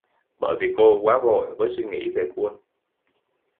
Bởi vì cô quá vội với suy nghĩ về quân